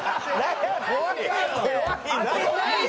怖いのよ。